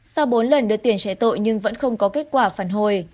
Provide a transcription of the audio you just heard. sau bốn lần đưa tiền chạy tội nhưng vẫn không có kết quả phản hồi